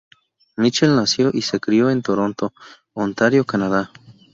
Mitchell nació y se crio en Toronto, Ontario, Canadá.